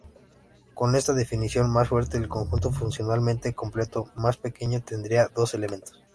Con esta definición más fuerte, el conjunto funcionalmente completo más pequeño tendría dos elementos.